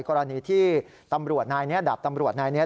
กรณีที่ตำรวจนายนี้ดาบตำรวจนายนี้